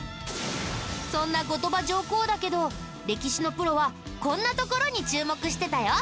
そんな後鳥羽上皇だけど歴史のプロはこんなところに注目してたよ。